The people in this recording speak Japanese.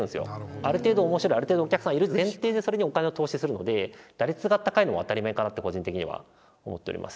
ある程度面白いある程度お客さんいる前提でそれにお金を投資するので打率が高いのは当たり前かなって個人的には思っております。